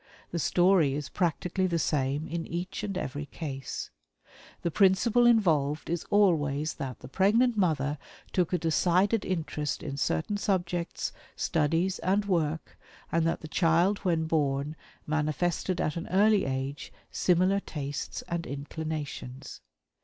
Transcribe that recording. The story is practically the same in each and every case. The principle involved is always that the pregnant mother took a decided interest in certain subjects, studies, and work, and that the child when born manifested at an early age similar tastes and inclinations.